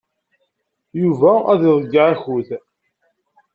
Yuba ad iḍeyyeɛ akud.